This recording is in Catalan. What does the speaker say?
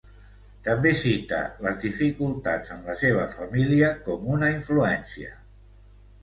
També cita les dificultats en la seva família com una influència.